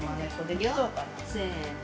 せの。